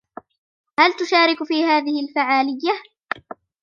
هل تشارك في هذه الفعالية ؟